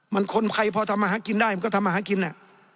มันคนไทยพอทำอาหารกินได้มันก็ทำมาหากินอ่ะ